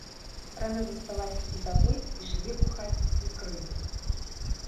Рана засталася ўдавой і жыве ў хаце свекрыві.